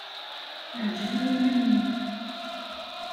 Ɛǧeb i yiman-im.